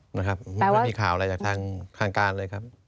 ไม่มีข่าวอะไรจากทางการเลยครับ